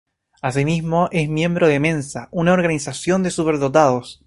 Asimismo, es miembro de Mensa, una organización de superdotados.